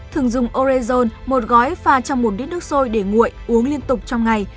thường dùng orezon một gói pha trong một lít nước sôi để nguội uống liên tục trong ngày